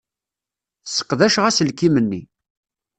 Sseqdaceɣ aselkim-nni.